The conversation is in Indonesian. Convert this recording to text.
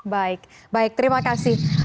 baik baik terima kasih